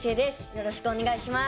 よろしくお願いします。